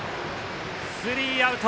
スリーアウト。